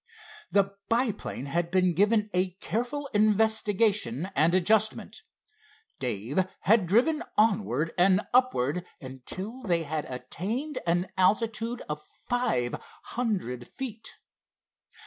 The biplane had been given a careful investigation and adjustment. Dave had driven onward and upward until they had attained an altitude of five hundred feet.